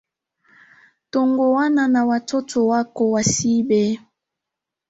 Tongoana na watoto wako wasiibe